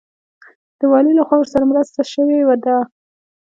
د والي لخوا ورسره مرسته شوې وه.